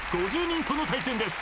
５０人との対戦です。